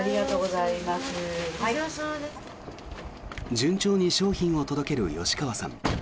順調に商品を届ける吉川さん。